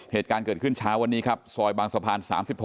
เหตุการณ์เกิดขึ้นเช้าวันนี้ครับซอยบางสะพาน๓๖